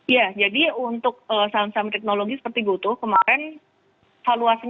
ya jadi untuk saham saham teknologi seperti gotoh kemarin valuasinya sorry kapitalnya itu sudah turun